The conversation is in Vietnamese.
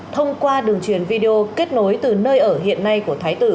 thông qua đường truyền video kết nối từ nơi ở hiện nay của thái tử